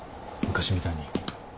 昔みたいに。